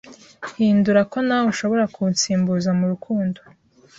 Hindura ko ntawe ushobora kunsimbuza murukundo